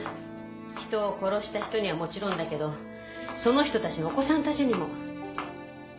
人を殺した人にはもちろんだけどその人たちのお子さんたちにも。